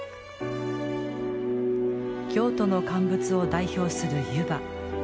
京都の乾物を代表する湯葉。